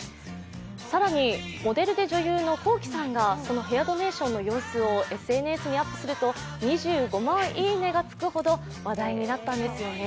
更にモデルで女優のｋｏｋｉ，さんがそのヘアドネーションの様子をＳＮＳにアップすると２５万いいねがつくほど話題になったんですよね。